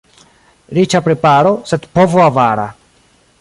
Riĉa preparo, sed povo avara.